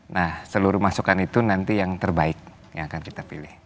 nah seluruh masukan itu nanti yang terbaik yang akan kita pilih